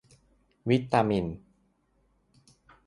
วิตามิน